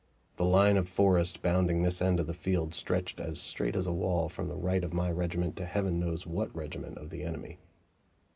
The line of forest bounding this end of the field stretched as straight as a wall from the right of my regiment to Heaven knows what regiment of the enemy.